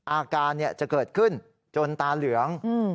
อาการจะเกิดขึ้นจนตาเหลือง